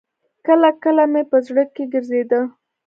کله کله مې په زړه کښې ګرځېده.